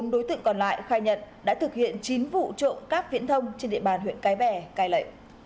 bốn đối tượng còn lại khai nhận đã thực hiện chín vụ trộm cắp viễn thông trên địa bàn huyện cái bè cai lệ